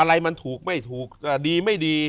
อะไรมันถูกไม่ถูกดีไม่ดี